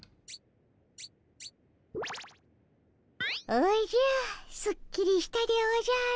おじゃすっきりしたでおじゃる。